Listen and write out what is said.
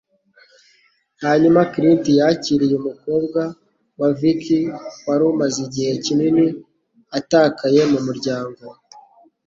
Hanyuma, Clint yakiriye umukobwa wa Viki wari umaze igihe kinini atakaye mu muryango.